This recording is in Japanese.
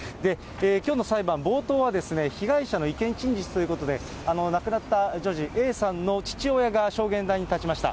きょうの裁判、冒頭はですね、被害者の意見陳述ということで、亡くなった女児、Ａさんの父親が証言台に立ちました。